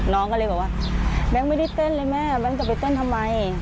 น้องก็เลยบอกว่าแบงค์ไม่ได้เต้นเลยแม่แก๊งจะไปเต้นทำไม